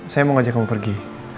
saya mau ngajak kamu pergi